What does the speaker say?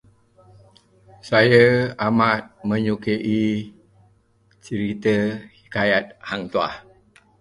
Saya amat menyukai cerita hikayat Hang Tuah.